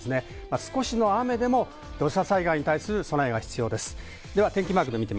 少しの雨でも土砂災害の備えが必要です。